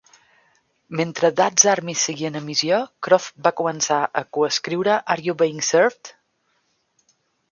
Mentre "Dad's Army" seguia en emissió, Croft va començar a coescriure "Are you Being Served"?